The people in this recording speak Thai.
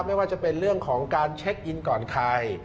ไม่ว่าจะเป็นเรื่องของการเช็คอินก่อนใคร